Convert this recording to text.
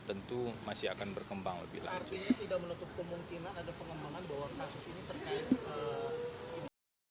itu masih akan berkembang lebih lanjut